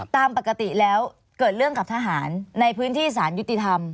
ตามปกติแล้วเกิดเรื่องกับทหารในพื้นที่สารยุติธรรม